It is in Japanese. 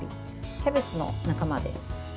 キャベツの仲間です。